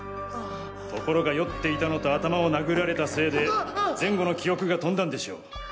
ところが酔っていたのと頭を殴られたせいで前後の記憶が飛んだんでしょう。